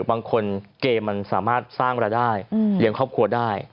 บางคนเกมมันสามารถสร้างรายได้เลี้ยงครอบครัวได้